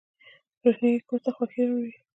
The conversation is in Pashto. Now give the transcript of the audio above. روښنايي کور ته خوښي راوړي